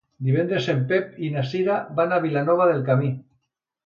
Divendres en Pep i na Cira van a Vilanova del Camí.